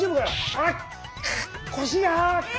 あっ腰が！え！